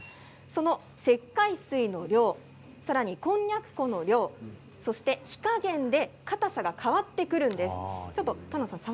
石灰水の量さらにこんにゃく粉の量火加減でかたさが変わってくるんです。